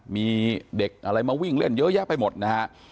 มีเด็กอะไรมาวิ่งเล่นเยอะแยะไปหมดนะฮะ